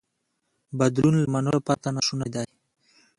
بدلون له منلو پرته ناشونی دی.